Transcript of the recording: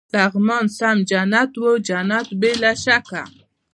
لغمان سم جنت و، جنت بې له شکه.